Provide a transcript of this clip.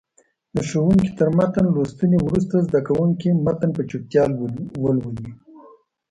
د ښوونکي تر متن لوستنې وروسته زده کوونکي متن په چوپتیا ولولي.